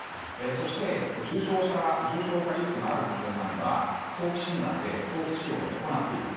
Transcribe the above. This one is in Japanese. そして、重症化リスクのある患者さんには早期診断で早期治療も行っている。